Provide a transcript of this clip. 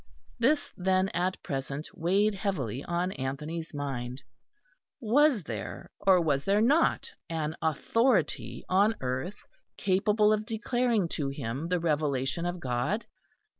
This then at present weighed heavily on Anthony's mind. Was there or was there not an authority on earth capable of declaring to him the Revelation of God?